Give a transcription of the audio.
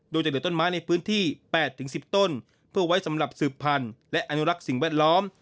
โดยจะเหลือต้นไม้ในพื้นที่๘๑๐ต้นเพื่อไว้สำหรับสืบพันธุ์และอนุรักษ์สิ่งแวดล้อม